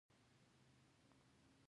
جانداد د دوستانو ریښتینی ملګری دی.